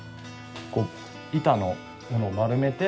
こう板のものを丸めて。